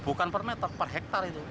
bukan per meter per hektare itu